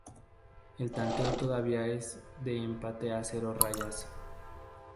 El tanteo todavía es de empate a cero rayas.